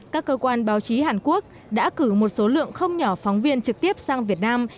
các cơ quan báo chí hàn quốc đã cử một số lượng không nhỏ phóng viên trực tiếp sang việt nam